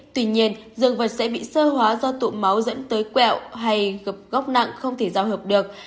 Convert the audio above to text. tuy nhiên vật sẽ bị sơ hóa do tụ máu dẫn tới quẹo hay gập góc nặng không thể giao hợp được